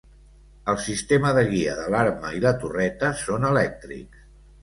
Els sistemes de guia de l'arma i la torreta són elèctrics.